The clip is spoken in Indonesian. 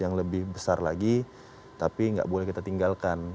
yang lebih besar lagi tapi nggak boleh kita tinggalkan